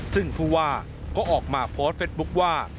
ซึ่งผู้ว่าก็ออกมาโพสต์เฟสบุ๊คว่า